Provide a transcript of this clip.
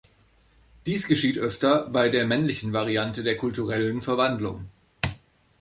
Dies geschieht öfter bei der männlichen Variante der kulturellen Verwandlung.